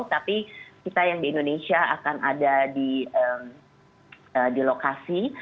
tapi kita yang di indonesia akan ada di lokasi